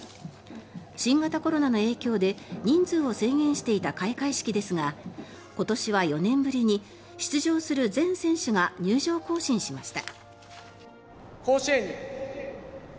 新型コロナの影響で人数を制限していた開会式ですが今年は４年ぶりに出場する全選手が入場行進しました。